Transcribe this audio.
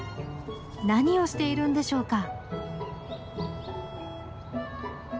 何をしているんでしょうか？